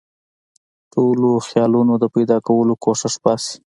نویو خیالونو د پیدا کولو کوښښ باسي.